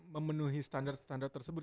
memenuhi standar standar tersebut